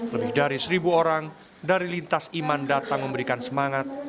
lebih dari seribu orang dari lintas iman datang memberikan semangat